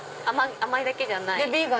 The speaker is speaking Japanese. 甘いだけじゃない。